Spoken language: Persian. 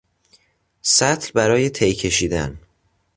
سطل برای تی کشیدن